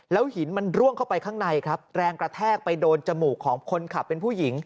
หินมันร่วงเข้าไปข้างในครับแรงกระแทกไปโดนจมูกของคนขับเป็นผู้หญิง